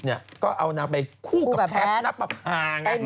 เขาก็เอานางไปคู่กับแท๊กนับประพา